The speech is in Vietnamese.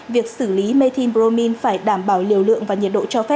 việc xử lý methane bromine phải đảm bảo liều lượng và nhiệt độ cho phép